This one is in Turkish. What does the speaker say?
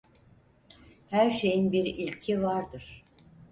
Her şeyin bir ilki vardır.